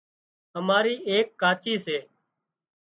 اماري ايڪ ڪاچي سي